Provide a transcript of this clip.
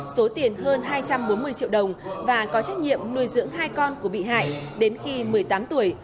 số tiền hơn hai trăm bốn mươi triệu đồng và có trách nhiệm nuôi dưỡng hai con của bị hại đến khi một mươi tám tuổi